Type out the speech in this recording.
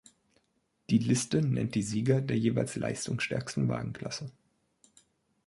Die Liste nennt die Sieger der jeweils leistungsstärksten Wagenklasse.